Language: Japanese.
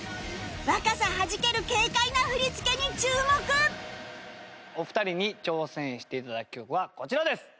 若さはじけるお二人に挑戦して頂く曲はこちらです。